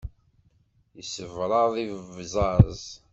Yessebṛaḍ ibẓaẓ.